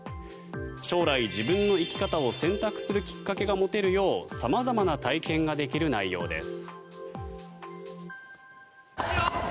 将来、自分の生き方を選択するきっかけが持てるよう様々な体験ができる内容です。